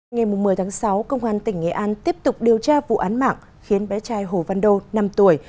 ngày một mươi tháng sáu công an tỉnh nghệ an tiếp tục điều tra vụ án mạng khiến bé trai hồ văn đô năm tuổi